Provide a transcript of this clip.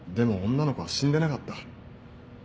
女の子は死んでなかった。